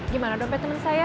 gimana dompet temen saya